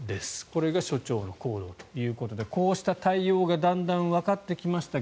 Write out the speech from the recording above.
これが署長の行動ということでこうした対応がだんだんわかってきました。